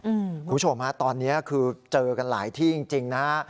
คุณผู้ชมฮะตอนนี้คือเจอกันหลายที่จริงนะฮะ